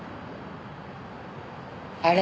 あれ。